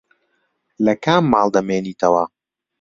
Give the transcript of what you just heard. لە کام ماڵ دەمێنیتەوە؟